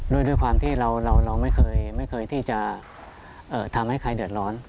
ด้วยความที่เราไม่เคยที่จะทำให้ใครเดือดร้อน